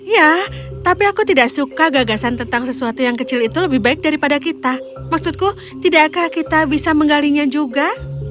ya tapi aku tidak suka gagasan tentang sesuatu yang kecil itu lebih baik daripada kita maksudku tidakkah kita bisa menggalinya juga